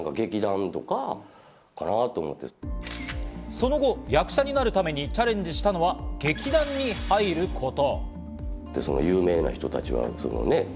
その後、役者になるためにチャレンジしたのが劇団に入ること。